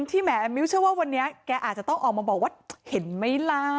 แหมมิ้วเชื่อว่าวันนี้แกอาจจะต้องออกมาบอกว่าเห็นไหมล่ะ